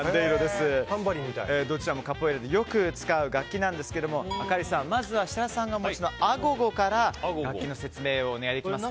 どちらもカポエイラでよく使う楽器なんですがあかりさん、まずは設楽さんがお持ちのアゴゴから楽器の説明をお願いします。